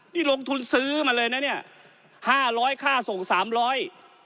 นี่ลงทุนซื้อมาเลยนะเนี่ยห้าร้อยค่าส่งสามร้อย